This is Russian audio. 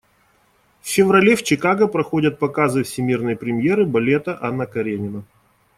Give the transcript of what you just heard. В феврале в Чикаго проходят показы всемирной премьеры балета «Анна Каренина».